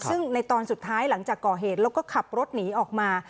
ซึ่งในตอนสุดท้ายหลังจากก่อเหตุแล้วก็ขับรถหนีออกมา